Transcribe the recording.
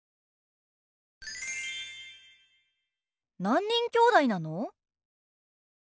何人きょうだいなの？